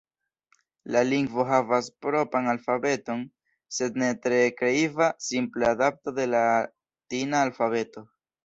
La lingvo havas propran alfabeton, sed ne tre kreiva, simpla adapto de latina alfabeto.